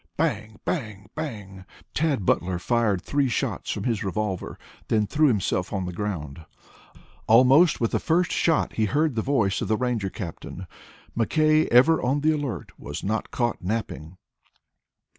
"Bang, bang, bang!" Tad Butler fired three shots from his revolver, then threw himself on the ground. Almost with the first shot he heard the voice of the Ranger captain. McKay, ever on the alert, was not caught napping.